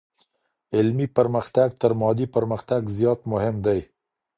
علمي پرمختګ تر مادي پرمختګ زيات مهم دی.